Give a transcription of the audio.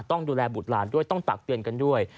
ต้องดูแลบุตรหลานด้วยต้องตักเตือนกันด้วย